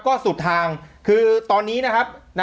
ก็สุดทางคือตอนนี้นะครับ